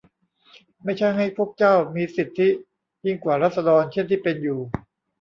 ไม่ใช่ให้พวกเจ้ามีสิทธิยิ่งกว่าราษฎรเช่นที่เป็นอยู่